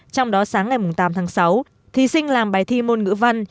trong đó sáng ngày tám tháng sáu thí sinh làm bài thi môn ngữ văn